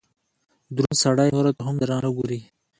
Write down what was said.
دروند سړئ نورو ته هم درانه ګوري